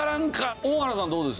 大原さんどうです？